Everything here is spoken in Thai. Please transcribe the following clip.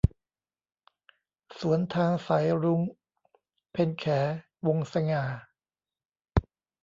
สวนทางสายรุ้ง - เพ็ญแข วงศ์สง่า